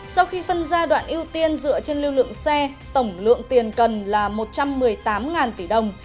sau khi phân giai đoạn ưu tiên dựa trên lưu lượng xe tổng lượng tiền cần là một trăm một mươi tám tỷ đồng